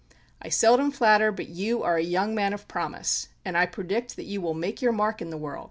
"I seldom flatter, but you are a young man of promise; and I predict that you will make your mark in the world!